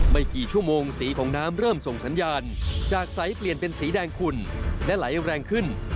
ไม่กี่ชั่วโมงสีของน้ำเริ่มส่งสัญญาณจากใสเปลี่ยนเป็นสีแดงขุ่นและไหลแรงขึ้น